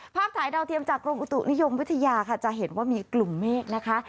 ภาพถ่ายดาวเทียมจากกรมอุตุนิยมวิทยาค่ะจะเห็นว่ามีกลุ่มเมฆนะคะ